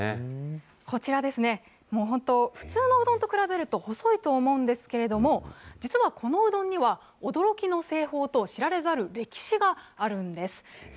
こちらですね、もう本当、普通のうどんと比べると細いと思うんですけれども、実はこのうどんには、驚きの製法と知られざる歴史があるんです。